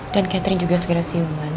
dan catherine juga segera siuman